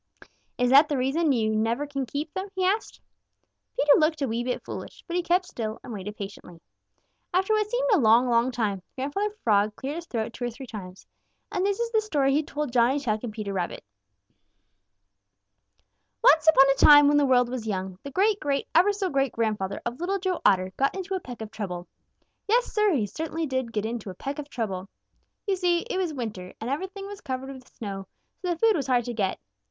"Is that the reason you never can keep them?" he asked. Peter looked a wee bit foolish, but he kept still and waited patiently. After what seemed a long, long time, Grandfather Frog cleared his throat two or three times, and this is the story he told Johnny Chuck and Peter Rabbit: "Once upon a time when the world was young, the great great ever so great grandfather of Little Joe Otter got into a peck of trouble. Yes, Sir, he certainly did get into a peck of trouble. You see, it was winter, and everything was covered with snow, so that food was hard to get.